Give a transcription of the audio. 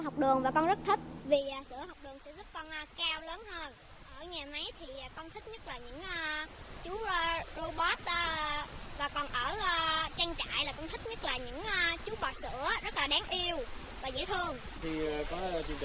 con uống sữa học đường và con rất thích vì sữa học đường sẽ giúp con cao lớn hơn